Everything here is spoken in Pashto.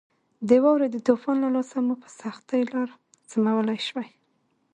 د واورې د طوفان له لاسه مو په سختۍ لار سمولای شوای.